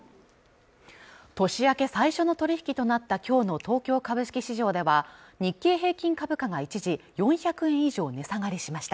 年明け最初の取引となったきょうの東京株式市場では日経平均株価が一時４００円以上値下がりしました